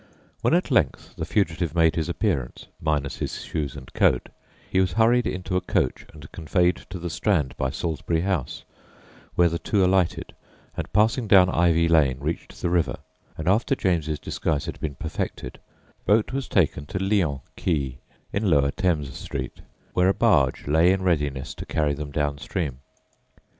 When at length the fugitive made his appearance, minus his shoes and coat, he was hurried into a coach and conveyed to the Strand by Salisbury House, where the two alighted, and passing down Ivy Lane, reached the river, and after James's disguise had been perfected, boat was taken to Lyon Quay in Lower Thames Street, where a barge lay in readiness to carry them down stream.